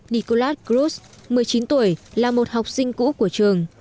nicholas cruz một mươi chín tuổi là một học sinh cũ của trường